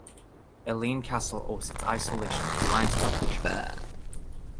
Elaine Castle owes its isolation to lines of fracture.